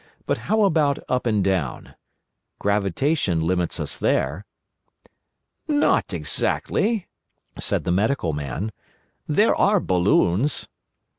But how about up and down? Gravitation limits us there." "Not exactly," said the Medical Man. "There are balloons."